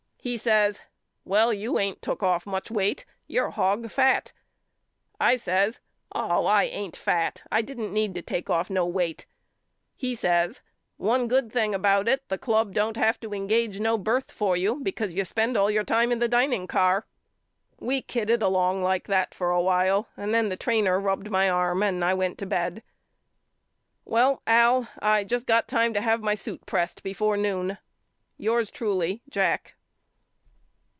He says, Well you ain't took off much weight. You're hog fat. I says Oh I ain't fat. I didn't need to take off no weight. He says One good thing about it the club don't have to engage no birth for you because you spend all your time in the dining car. We kidded along like that a while and then the trainer rubbed my arm and I went to bed. Well Al I just got time to have my suit pressed before noon. Yours truly, JACK.